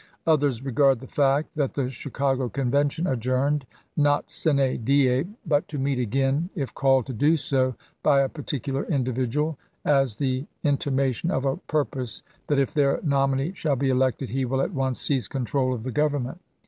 Others regard the fact that the Chicago Convention adjourned, not sine die, but to meet again, if called to do so by a particular individual, as the intima tion of a purpose that if their nominee shall be elected he will at once seize control of the Government.